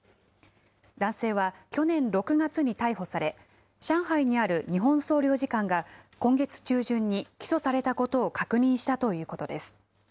男性は去年６月に逮捕され、上海にある日本総領事館が今月中旬に起訴されたことを確認したということです。